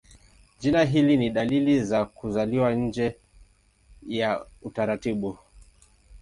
Jina hili ni dalili ya kuzaliwa nje ya utaratibu.